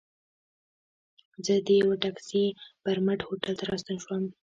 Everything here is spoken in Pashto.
زه د یوه ټکسي پر مټ هوټل ته راستون شوم.